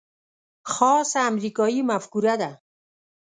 خاصه امریکايي مفکوره ده.